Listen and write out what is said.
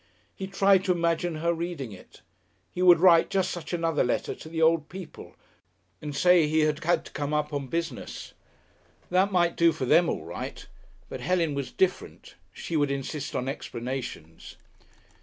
He tried to imagine her reading it. He would write just such another letter to the old people, and say he had had to come up on business. That might do for them all right, but Helen was different. She would insist on explanations.